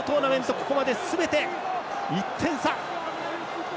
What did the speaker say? ここまですべて１点差。